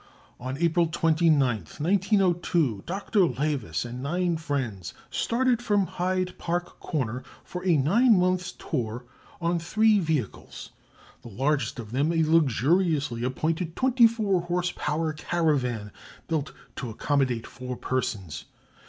On April 29, 1902, Dr. Lehwess and nine friends started from Hyde Park Corner for a nine months' tour on three vehicles, the largest of them a luxuriously appointed 24 horse power caravan, built to accommodate four persons.